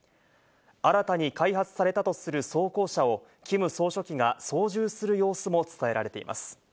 新たに開発されたとする装甲車をキム総書記が操縦する様子も伝えられています。